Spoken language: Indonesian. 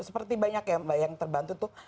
seperti banyak ya mbak yang terbantu tuh